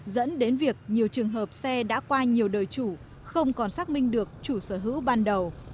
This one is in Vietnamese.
dẫn đến việc nhiều trường hợp xe đã qua nhiều đời chủ không còn xác minh được chủ sở hữu ban đầu